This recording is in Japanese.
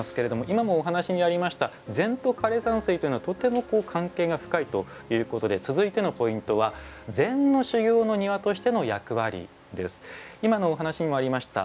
今もお話にありました禅と枯山水というのはとても関係が深いということで続いてのポイントは今のお話にもありました